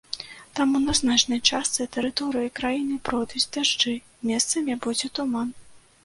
Таму на значнай частцы тэрыторыі краіны пройдуць дажджы, месцамі будзе туман.